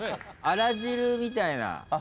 あら汁みたいな。